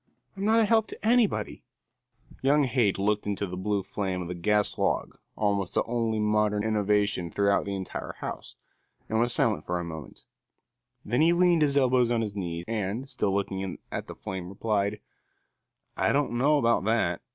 I'm not a help to anybody." Young Haight looked into the blue flame of the gas log, almost the only modern innovation throughout the entire house, and was silent for a moment; then he leaned his elbows on his knees and, still looking at the flame, replied: "I don't know about that.